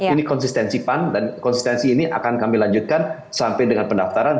ini konsistensi pan dan konsistensi ini akan kami lanjutkan sampai dengan pendaftaran